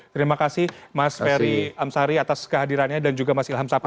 terima kasih mas ferry amsari atas kehadirannya dan juga mas ilham sapa